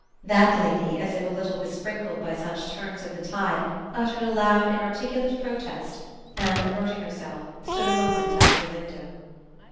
That lady, as if a little besprinkled by such turns of the tide, uttered a loud inarticulate protest and, averting herself, stood a moment at the window.